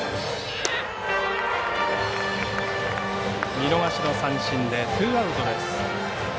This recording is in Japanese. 見逃しの三振でツーアウトです。